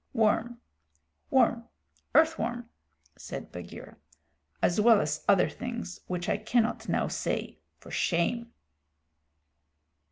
"Worm worm earth worm," said Bagheera, "as well as other things which I cannot now say for shame."